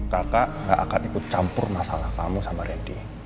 kakak akan ikut campur masalah kamu sama rendy